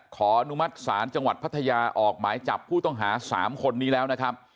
อนุมัติศาลจังหวัดพัทยาออกหมายจับผู้ต้องหา๓คนนี้แล้วนะครับ